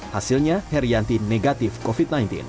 hasilnya herianti negatif covid sembilan belas